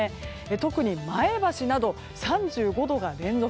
特に前橋など３５度が連続。